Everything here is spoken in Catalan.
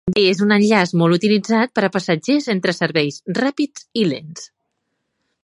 També és un enllaç molt utilitzat per a passatgers entre serveis ràpids i lents.